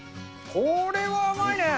これは甘いね。